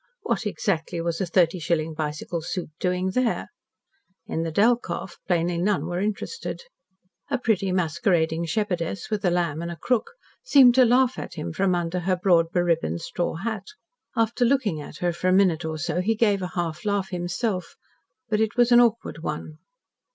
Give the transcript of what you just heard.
What exactly was a thirty shilling bicycle suit doing there? In the Delkoff, plainly none were interested. A pretty, masquerading shepherdess, with a lamb and a crook, seemed to laugh at him from under her broad beribboned straw hat. After looking at her for a minute or so, he gave a half laugh himself but it was an awkward one.